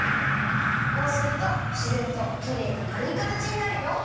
こうするとしぜんときれいなまるいかたちになるよ。